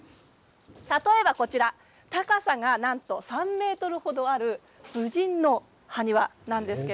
例えばこちら高さがなんと３ｍ程ある武人の埴輪なんです。